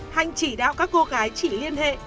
hạnh chỉ đạo các cô gái chỉ liên hệ